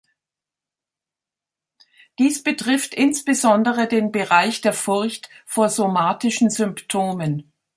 Dies betrifft insbesondere den Bereich der Furcht vor somatischen Symptomen.